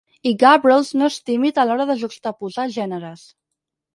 I Gabrels no és tímid a l'hora de juxtaposar gèneres.